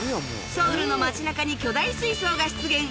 ソウルの街中に巨大水槽が出現